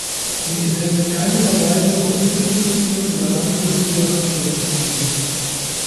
Sie enthält keine Verweise auf mittelfristige oder langfristige Abschwächungsziele.